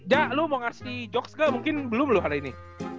jah lu mau ngasih jokes gak mungkin belum loh hari ini